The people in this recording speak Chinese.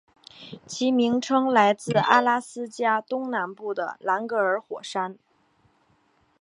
其名称来自阿拉斯加东南部的兰格尔火山。